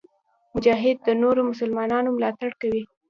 مجاهد د نورو مسلمانانو ملاتړ کوي.